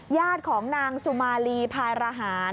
ญาติของนางสุมาลีภายรหาร